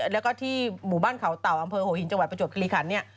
แล้วก็ที่หมู่บ้านเขาเตาอำเภอโหหินจังหวัดประจวบคิรีคัน